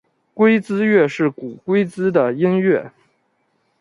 龟兹乐是古龟兹的音乐。